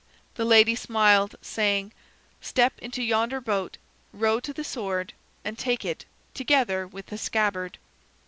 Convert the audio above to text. The lady smiled, saying: "Step into yonder boat, row to the sword, and take it, together with the scabbard."